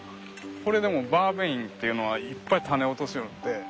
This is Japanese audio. これでもバーベインというのはいっぱい種落としよって。